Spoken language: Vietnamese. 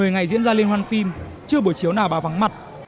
một mươi ngày diễn ra lên hoàn phim chưa buổi chiếu nào bà vắng mặt